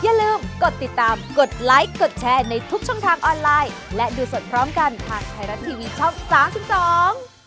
อย่าลืมกดติดตามกดไลค์กดแชร์ในทุกช่องทางออนไลน์และดูสดพร้อมกันทางไทยรัฐทีวีช่องสามสิบสอง